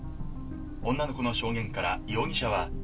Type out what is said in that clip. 「女の子の証言から容疑者は」